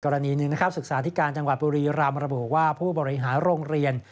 กรณีหนึ่งนะครับศึกษาธิการจังหวัดบุรีรำระบุว่าผู้บริหารโรงเรียน